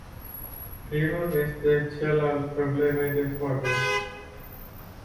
Primul este cel al problemei de formă.